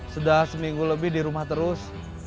sudah seminggu lebih di rumah terus